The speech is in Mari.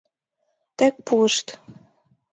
— Тек пуышт.